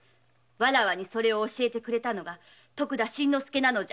それを教えてくれたのが徳田新之助なのじゃ。